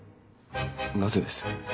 なぜです？